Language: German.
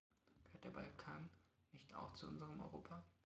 Gehört der Balkan nicht auch zu unserem Europa?